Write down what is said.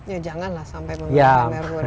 ya janganlah sampai menggunakan merhur